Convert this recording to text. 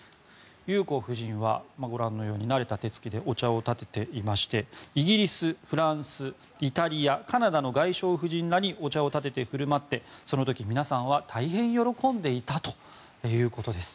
裕子夫人はご覧のように慣れた手付きでお茶をたてていましてイギリス、フランス、イタリアカナダの外相夫人らにお茶をたてて振る舞ってその時、皆さんは大変喜んでいたということです。